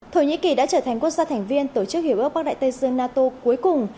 thổ nhĩ kỳ đã trở thành quốc gia thành viên tổ chức hiểu ước bắc đại tây dương nato cuối cùng